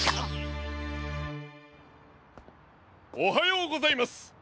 おはようございます！